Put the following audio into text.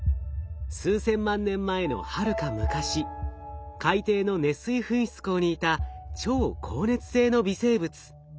数千万年前のはるか昔海底の熱水噴出孔にいた超好熱性の微生物。